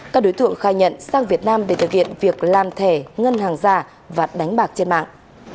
các đối tượng khai nhận sang việt nam để thực hiện việc làm thẻ ngân hàng giả và đánh bạc trên mạng